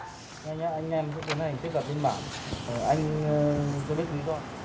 thưa quý vị